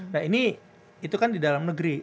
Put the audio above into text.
nah ini itu kan di dalam negeri